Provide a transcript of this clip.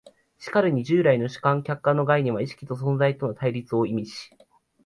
しかるに従来の主観・客観の概念は意識と存在との対立を意味し、